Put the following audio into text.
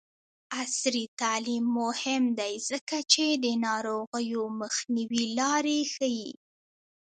عصري تعلیم مهم دی ځکه چې د ناروغیو مخنیوي لارې ښيي.